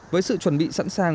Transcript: với sự chuẩn bị sẵn sàng